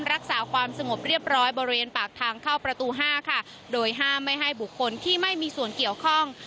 รักษาความสงบเรียบร้อยบริเวณปากทางเข้าประตูห้าค่ะโดยห้ามไม่ให้บุคคลที่ไม่มีส่วนเกี่ยวข้อง